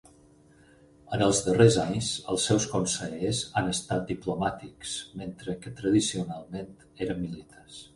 En els darrers anys, els seus consellers han estat diplomàtics, mentre que tradicionalment eren militars.